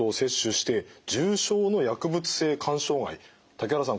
竹原さん